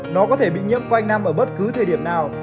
nó có thể bị nhiễm quanh năm ở bất cứ thời điểm nào